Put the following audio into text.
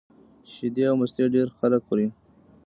شیدې او مستې ډېری خلک خوري